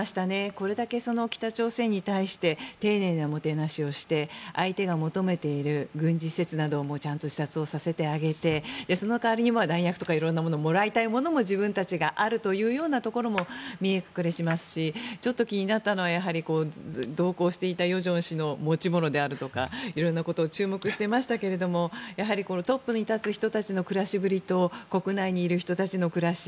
これだけ北朝鮮に対して丁寧なもてなしをして相手が求めている軍事施設などもちゃんと視察をさせてあげてその代わりに弾薬とか色んなものもらいたいものも自分たちがあるというところも見え隠れしますしちょっと気になったのはやはり同行していた与正氏の持ち物であるとか色んなことに注目していましたがトップに立つ人たちの暮らしぶりと国内にいる人たちの暮らし